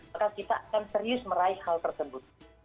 maka kita akan serius meraih hal tersebut